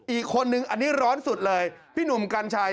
อีกคนนึงอันนี้ร้อนสุดเลยพี่หนุ่มกัญชัย